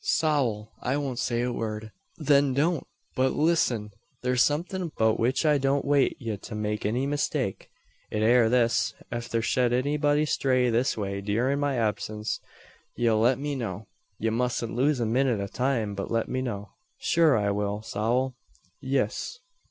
"Sowl! I won't say a word." "Then don't, but lissen! Thur's somethin 'bout which I don't wait ye to make any mistake. It air this. Ef there shed anybody stray this way dyurin my absince, ye'll let me know. You musn't lose a minnit o' time, but let me know." "Shure I will sowl, yis."